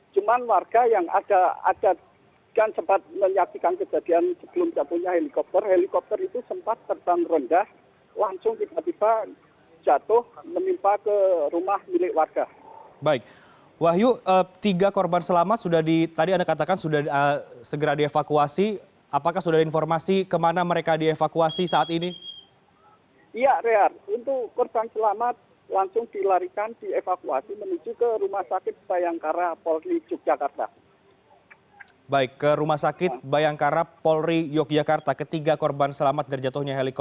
cuman warga yang ada kan sempat menyaksikan kejadian sebelum jatuhnya helikopter helikopter itu sempat terbang rendah langsung tiba tiba jatuh